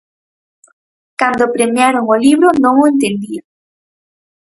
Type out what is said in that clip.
Cando premiaron o libro non o entendía.